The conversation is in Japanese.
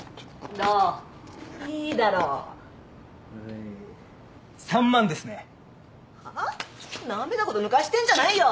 なめたこと抜かしてんじゃないよ！